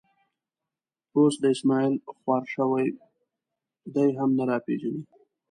اوس دا اسمعیل خوار شوی، دی هم نه را پېژني.